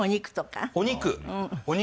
お肉。